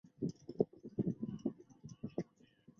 力抵王安石。